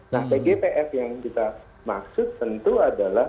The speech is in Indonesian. nah tgpf yang kita maksud tentu adalah